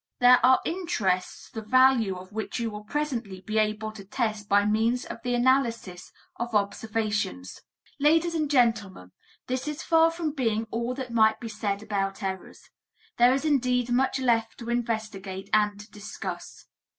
There are interests the value of which you will presently be able to test by means of the analysis of observations. Ladies and gentlemen, this is far from being all that might be said about errors. There is indeed much left to investigate and to discuss.